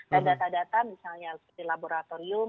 dan data data misalnya di laboratorium